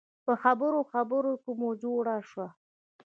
په خبرو خبرو کې مو جوړه شوه.